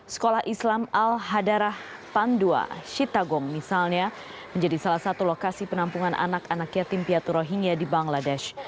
sekolah islam al hadarah pandua shitagong misalnya menjadi salah satu lokasi penampungan anak anak yatim piatu rohingya di bangladesh